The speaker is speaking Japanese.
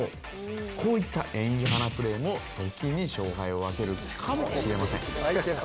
こういった演技派なプレーも時に勝敗を分けるのかもしれません。